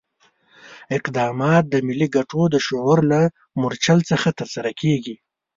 اقدامات د ملي ګټو د شعور له مورچل څخه ترسره کېږي.